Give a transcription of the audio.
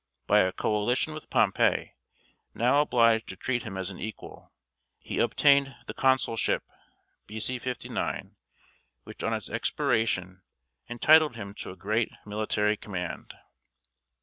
By a coalition with Pompey now obliged to treat him as an equal he obtained the consulship (B.C. 59), which on its expiration entitled him to a great military command.